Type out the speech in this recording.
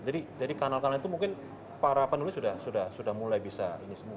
jadi kanal kanal itu mungkin para penulis sudah mulai bisa ini semua